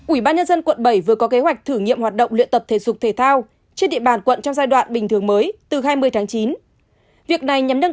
ủy ban nhân dân quận bảy vừa có kế hoạch thử nghiệm hoạt động luyện tập thể dục thể thao trên địa bàn quận trong giai đoạn bình thường mới từ hai mươi tháng chín